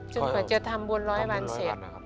กว่าจะทำบุญร้อยวันเสร็จ